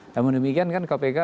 namun demikian kan kpk